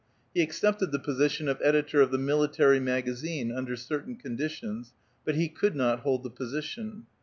He accepted the position of editor of the "Military Magazine," under certain conditions, but he could not hold the position.